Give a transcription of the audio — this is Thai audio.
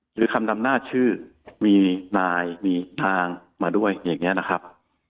หรือคำดำหน้าชื่อมีนายมีทางมาด้วยอย่างนี้นะครับ